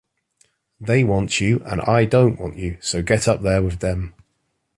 They want you and I don't want you, so get up there with them.